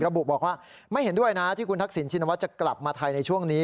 ระบุบอกว่าไม่เห็นด้วยนะที่คุณทักษิณชินวัฒน์จะกลับมาไทยในช่วงนี้